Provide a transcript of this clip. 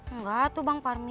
enggak tuh bang parmin